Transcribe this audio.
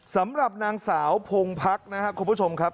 สำหรับนางสาวพงพักนะครับคุณผู้ชมครับ